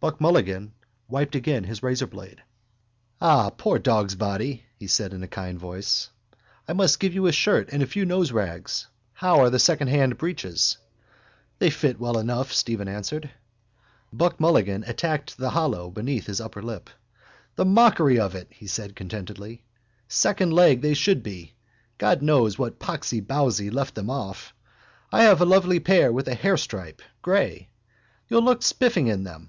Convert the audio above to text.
Buck Mulligan wiped again his razorblade. —Ah, poor dogsbody! he said in a kind voice. I must give you a shirt and a few noserags. How are the secondhand breeks? —They fit well enough, Stephen answered. Buck Mulligan attacked the hollow beneath his underlip. —The mockery of it, he said contentedly. Secondleg they should be. God knows what poxy bowsy left them off. I have a lovely pair with a hair stripe, grey. You'll look spiffing in them.